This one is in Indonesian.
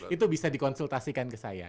itu bisa dikonsultasikan ke saya